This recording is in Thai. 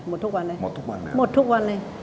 หมดค่ะหมดทุกวันเลย